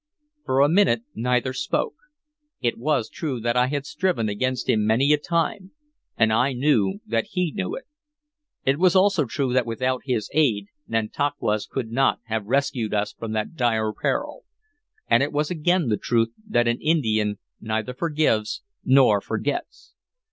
For a minute neither spoke. It was true that I had striven against him many a time, and I knew that he knew it. It was also true that without his aid Nantauquas could not have rescued us from that dire peril. And it was again the truth that an Indian neither forgives nor forgets.